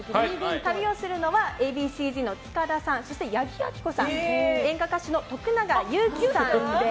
旅をするのはＡ．Ｂ．Ｃ‐Ｚの塚田さんそして八木亜希子さん演歌歌手の徳永ゆうきさんです。